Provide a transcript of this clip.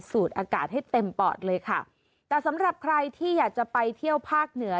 อากาศให้เต็มปอดเลยค่ะแต่สำหรับใครที่อยากจะไปเที่ยวภาคเหนือ